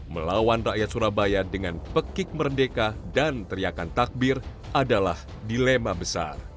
melawan rakyat surabaya dengan pekik merdeka dan teriakan takbir adalah dilema besar